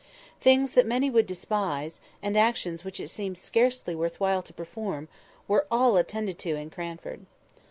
Things that many would despise, and actions which it seemed scarcely worth while to perform, were all attended to in Cranford.